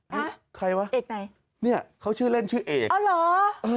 ใครวะเอกไหนเนี่ยเขาชื่อเล่นชื่อเอกอ๋อเหรอเออ